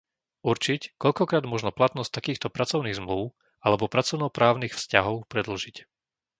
určiť, koľkokrát možno platnosť takýchto pracovných zmlúv alebo pracovnoprávnych vzťahov predĺžiť.